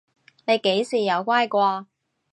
你幾時有乖過？